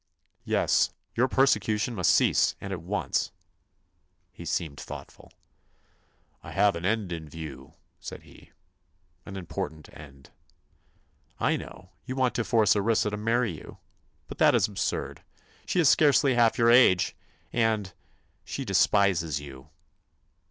"Yes. Your persecution must cease, and at once." He seemed thoughtful. "I have an end in view," said he; "an important end." "I know; you want to force Orissa to marry you. But that is absurd. She is scarcely half your age, and—she despises you."